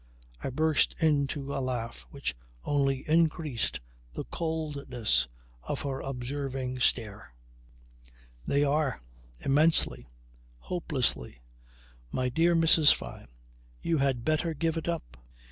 I burst into a laugh which only increased the coldness of her observing stare. "They are. Immensely! Hopelessly! My dear Mrs. Fyne, you had better give it up!